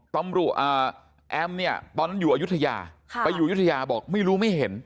ตำรวจแอมตอนนั้นอยู่อยุธยาไปอยู่อยุธยาบอกไม่รู้ไม่เห็น